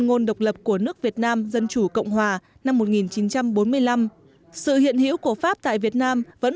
ngôn độc lập của nước việt nam dân chủ cộng hòa năm một nghìn chín trăm bốn mươi năm sự hiện hữu của pháp tại việt nam vẫn